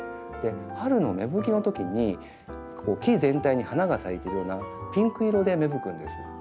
春の芽吹きのときに木全体に花が咲いているようなピンク色で芽吹くんです。